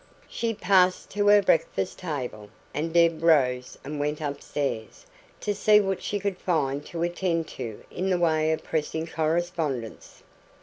She passed to her breakfast table, and Deb rose and went upstairs, to see what she could find to attend to in the way of pressing correspondence.